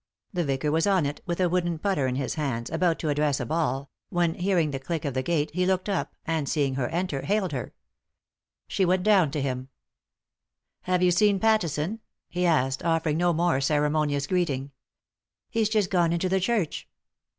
The vicar was on it, with a wooden putter in his hands, about to address a ball, when, hearing the click of the gate, he looked up and, seeing her enter, hailed her. She went down to him. 204 r,v. .c.y,Goog\e THE INTERRUPTED KISS " Have you seen Pattison ?" he asked, offering no more ceremonious greeting. " He's just gone into the church."